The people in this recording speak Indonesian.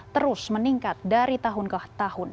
terus meningkat dari tahun ke tahun